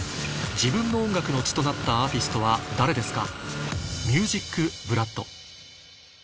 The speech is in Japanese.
自分の音楽の血となったアーティストは誰ですか？